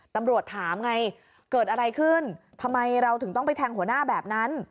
ตำรวจถามไงเกิดอะไรขึ้นทำไมเราถึงต้องไปแทงหัวหน้าแบบนั้น